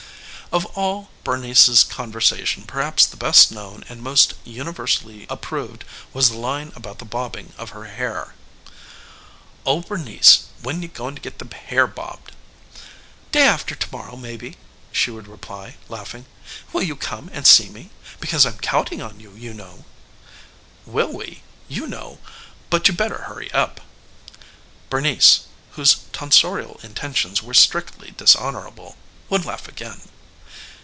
Of all Bernice's conversation perhaps the best known and most universally approved was the line about the bobbing of her hair. "Oh, Bernice, when you goin' to get the hair bobbed?" "Day after to morrow maybe," she would reply, laughing. "Will you come and see me? Because I'm counting on you, you know." "Will we? You know! But you better hurry up." Bernice, whose tonsorial intentions were strictly dishonorable, would laugh again.